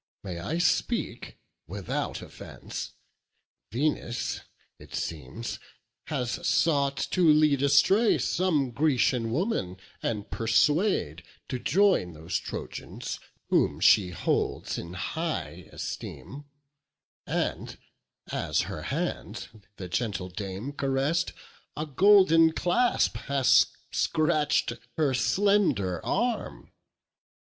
may I speak without offence? Venus, it seems, has sought to lead astray Some Grecian woman, and persuade to join Those Trojans, whom she holds in high esteem; And, as her hand the gentle dame caress'd, A golden clasp has scratched her slender arm."